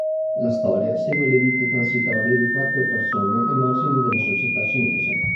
La storia segue le vite transitorie di quattro persone ai margini della società cinese.